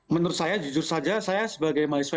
menurut saya jujur saja saya sebagai mahasiswa